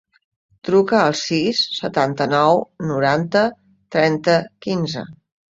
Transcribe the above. Truca al sis, setanta-nou, noranta, trenta, quinze.